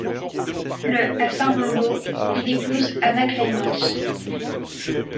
Le à Saint-Rombaut il épouse Anna Cleymans.